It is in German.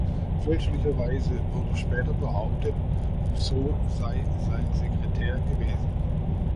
Fälschlicherweise wurde später behauptet, Rousseau sei sein Sekretär gewesen.